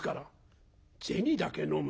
「銭だけ飲む？」。